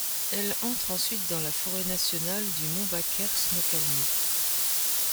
Elle entre ensuite dans la forêt nationale du Mont Baker-Snoqualmie.